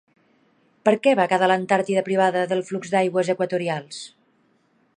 Per què va quedar l'Antàrtida privada del flux d'aigües equatorials?